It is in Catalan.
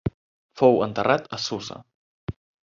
Fou enterrat a Susa.